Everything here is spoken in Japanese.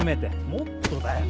もっとだよ。